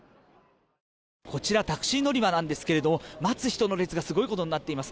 こちらタクシー乗り場なんですが待つ人の列がすごいことになっています。